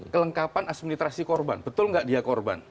kelengkapan asmilitrasi korban betul gak dia korban